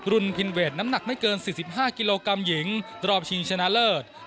รุนพินเวทน้ำหนักไม่เกิน๔๕กิโลกรัมหญิงรอบชิงชนะเลิศ